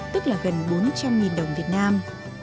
tức là gần bốn trăm linh đồng việt nam